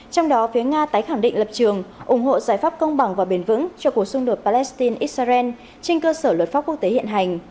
trong đó phía nga tái khẳng định lập trường ủng hộ giải pháp công bằng và bền vững cho cuộc xung đột palestine israel trên cơ sở luật pháp quốc tế hiện hành